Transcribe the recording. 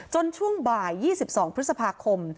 ช่วงบ่าย๒๒พฤษภาคม